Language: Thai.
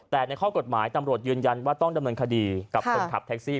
แต่ในข้อกฎหมายตำรวจยืนยันว่าต้องดำเนินคดีกับคนขับแท็กซี่